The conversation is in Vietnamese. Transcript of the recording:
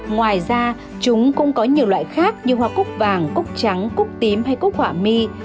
ngoài ra chúng cũng có nhiều loại khác như hoa cúc vàng cúc trắng cúc tím hay cúc họa mi